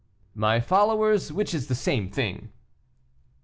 "My followers, which is the same thing."